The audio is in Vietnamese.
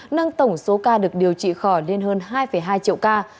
nâng tổng số ca được điều trị khỏi lên hơn hai hai triệu ca